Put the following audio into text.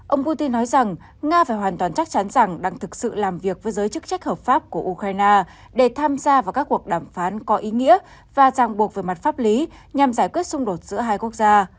ông putin nói rằng nga phải hoàn toàn chắc chắn rằng đang thực sự làm việc với giới chức trách hợp pháp của ukraine để tham gia vào các cuộc đàm phán có ý nghĩa và giang buộc về mặt pháp lý nhằm giải quyết xung đột giữa hai quốc gia